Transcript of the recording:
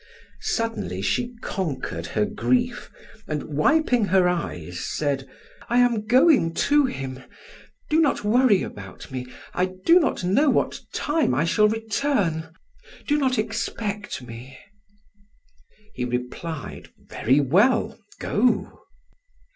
Suddenly she conquered her grief and wiping her eyes, said: "I am going to him do not worry about me I do not know what time I shall return do not expect me." He replied: "Very well. Go."